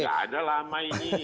tidak ada lama ini